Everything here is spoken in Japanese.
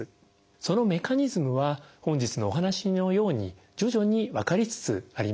そのメカニズムは本日のお話のように徐々に分かりつつあります。